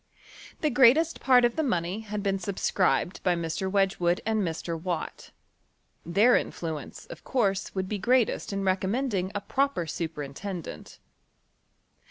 The greatest part of the money had been subscribed by Mr. Wedge wood and Mr. Watt : their influence of courae would HWTORy OF CHEMISTRT. be greatest iu recommending a proper superin tendent.